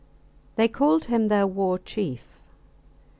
They called him their war chief.